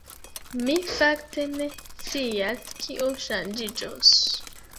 Mi fakte ne scias kio ŝanĝiĝos.